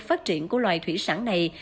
phát triển của loài thủy sản này